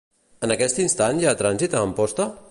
En aquest instant hi ha trànsit a Amposta?